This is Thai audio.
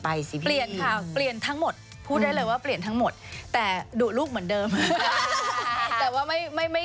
อ่าส่วนข้างนี้